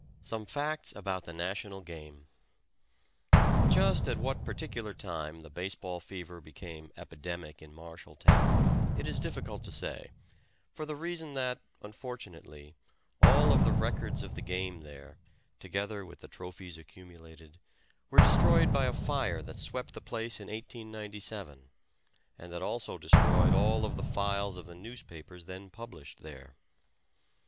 SOME FACTS ABOUT THE NATIONAL GAME. Just at what particular time the base ball fever became epidemic in Marshalltown it is difficult to say, for the reason that, unfortunately, all of the records of the game there, together with the trophies accumulated, were destroyed by a fire that swept the place in 1897, and that also destroyed all of the files of the newspapers then published there.